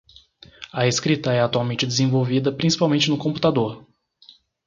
A escrita é atualmente desenvolvida principalmente no computador.